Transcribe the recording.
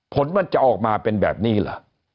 ผลมันจะออกมาเป็นแบบนี้เหรอ